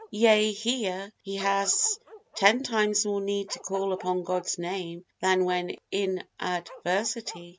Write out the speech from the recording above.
Yea, here he has ten times more need to call upon God's Name than when in adversity.